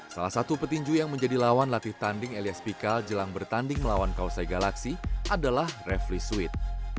salah satu petinju yang menjadi lawan latih tanding elias pikal jelang bertanding melawan kausai galaksi adalah refli sweet